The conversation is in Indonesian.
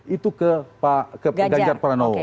itu ke ganjar pranowo